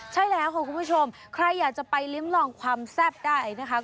ใช่แล้วค่ะคุณผู้ชมใครอยากจะไปลิ้มลองความแซ่บได้นะคะ